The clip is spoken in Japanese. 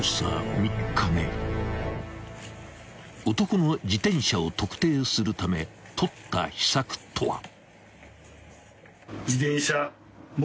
［男の自転車を特定するため取った秘策とは］